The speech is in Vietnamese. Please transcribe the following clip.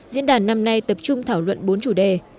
diễn đàn năm nay tập trung thảo luận bốn chủ đề